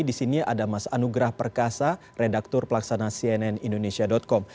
di sini ada mas anugrah perkasa redaktur pelaksana cnn indonesia com